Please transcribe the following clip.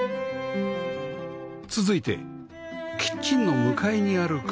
続いてキッチンの向かいにある空間へ